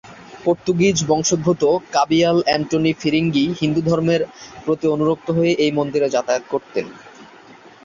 পর্তুগিজ-বংশোদ্ভুত কবিয়াল অ্যান্টনি ফিরিঙ্গি হিন্দুধর্মের প্রতি অনুরক্ত হয়ে এই মন্দিরে যাতায়াত করতেন।